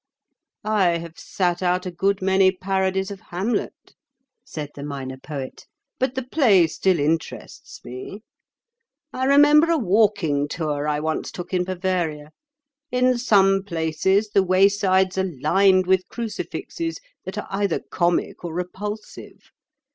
"I have sat out a good many parodies of 'Hamlet,'" said the Minor Poet, "but the play still interests me. I remember a walking tour I once took in Bavaria. In some places the waysides are lined with crucifixes that are either comic or repulsive.